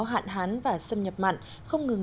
hạn hán và xâm nhập mặn không ngừng